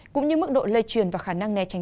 cũng như mức độ lây truyền và khả năng né tránh